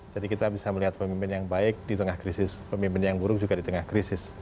jadi kita bisa melihat pemimpin yang baik di tengah krisis pemimpin yang buruk juga di tengah krisis